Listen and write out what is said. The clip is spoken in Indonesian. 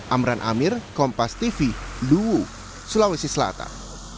amran amir kompas tv luwu sulawesi selatan